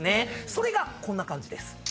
それがこんな感じです。